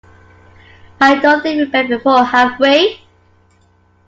I don't think we've met before, have we?